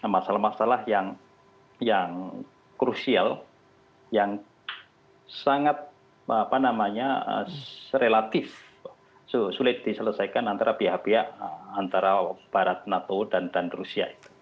masalah masalah yang krusial yang sangat relatif sulit diselesaikan antara pihak pihak antara barat nato dan rusia